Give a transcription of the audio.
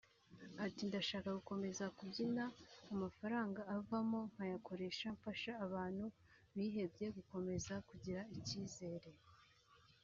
Ati “Ndashaka gukomeza kubyina amafaranga avamo nkayakoresha mfasha abantu bihebye gukomeza kugira icyizere